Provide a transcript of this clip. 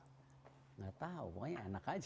tidak tahu pokoknya enak aja